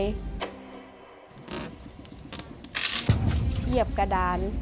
เหยียบกระดาน